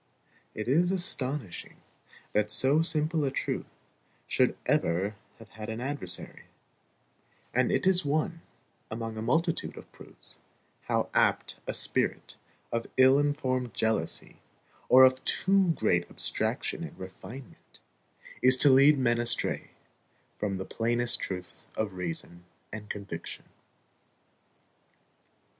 It is astonishing that so simple a truth should ever have had an adversary; and it is one, among a multitude of proofs, how apt a spirit of ill informed jealousy, or of too great abstraction and refinement, is to lead men astray from the plainest truths of reason and conviction.